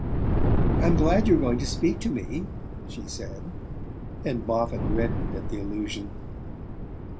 "I'm glad you're going to speak to me," she said, and Moffatt reddened at the allusion.